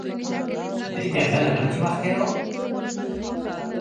زه اجازه لرم چي وخت تېرووم؟!